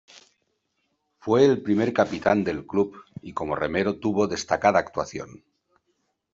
Fue el primer capitán del club y como remero tuvo destacada actuación.